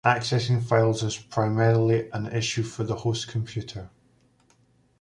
Accessing files is primarily an issue for the host computer.